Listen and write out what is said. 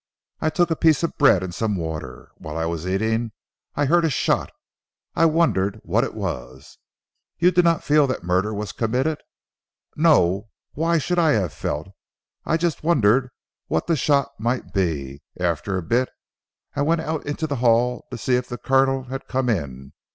I took a piece of bread and some water. While I was eating I heard a shot. I wondered what it was." "You did not feel that murder was been committed?" "No. Why should I have felt? I Just wondered what the shot might be. After a bit I went out into the hall to see if the Colonel had come in.